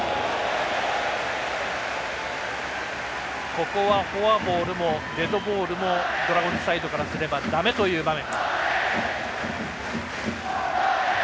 ここはフォアボールもデッドボールもドラゴンズサイドからすればだめという場面。